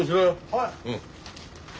はい。